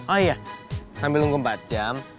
oh iya sambil nunggu empat jam